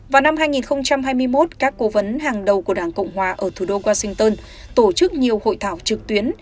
vào năm hai nghìn hai mươi một các cố vấn hàng đầu của đảng cộng hòa ở thủ đô washington tổ chức nhiều hội thảo trực tuyến